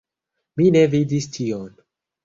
Mi ne vidis tion.